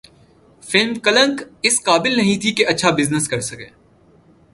film Kalank اس قابل نہیں تھی کہ اچھا بزنس کرسکے